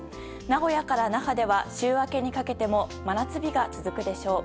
名古屋から那覇では週明けにかけても真夏日が続くでしょう。